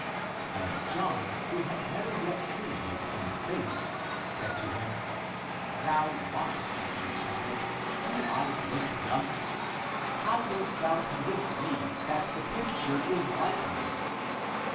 And John who had never yet seen his own face, said to him, " Thou mockest me, child. Do I look thus ...? How wilt thou convince me that the picture is like me